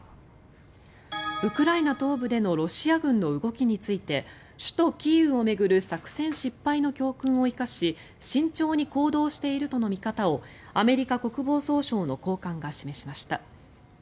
ウクライナ東部でのロシア軍の動きについて首都キーウを巡る作戦失敗の教訓を生かし慎重に行動しているとの見方をアメリカ国防総省の高官が示しました。